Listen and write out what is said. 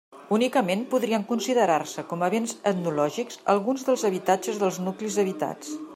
Únicament podrien considerar-se com a béns etnològics alguns dels habitatges dels nuclis habitats.